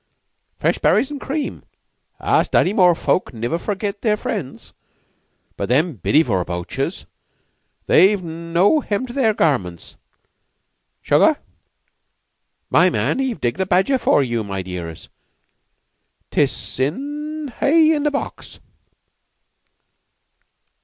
Fresh berries an' cream. Us Dartymoor folk niver forgit their friends. But them Bidevor poachers, they've no hem to their garments. Sugar? My man he've digged a badger for yeou, my dearrs. 'Tis in the linhay in a box."